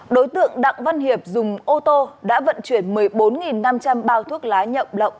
đối tượng đặng văn hiệp dùng ô tô đã vận chuyển một mươi bốn năm trăm linh bao thuốc lá nhậm lộng